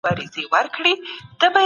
نو وریجې هم ښه کولی شو.